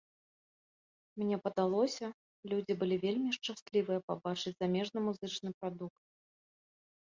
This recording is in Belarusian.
Мне падалося, людзі былі вельмі шчаслівыя пабачыць замежны музычны прадукт.